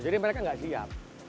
jadi mereka enggak siap